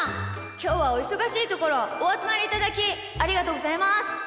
きょうはおいそがしいところおあつまりいただきありがとうございます。